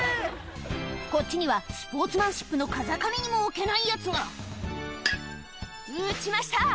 こっちにはスポーツマンシップの風上にも置けないヤツが打ちました！